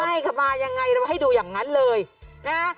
ให้กำไม่ยังไงว่าให้ดูอย่างงั้นเลยนะฮะ